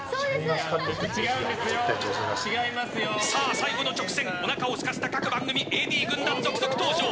最後の直線おなかをすかせた各番組のＡＤ軍団が続々登場！